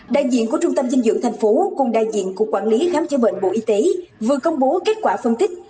đại diện của trung tâm dinh dưỡng tp hcm cùng đại diện cục quản lý khám chữa bệnh bộ y tế vừa công bố kết quả phân tích